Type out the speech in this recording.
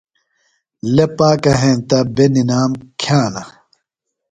۔لےۡ پاکہ ہینتہ بے نِنام کِھیانہ۔